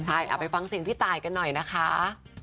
ใช่เอาไปฟังเสียงพี่ตายกันหน่อยนะคะ